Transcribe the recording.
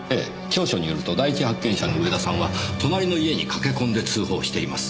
調書によると第一発見者の上田さんは隣の家に駆け込んで通報しています。